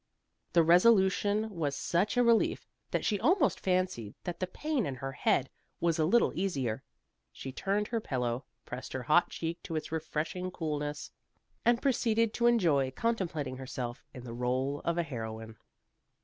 The resolution was such a relief that she almost fancied that the pain in her head was a little easier. She turned her pillow, pressed her hot cheek to its refreshing coolness, and proceeded to enjoy contemplating herself in the rôle of a heroine.